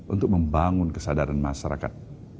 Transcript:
untuk membangun kesadaran masyarakat